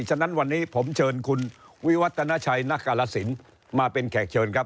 ฉะนั้นวันนี้ผมเชิญคุณวิวัฒนาชัยนักกาลสินมาเป็นแขกเชิญครับ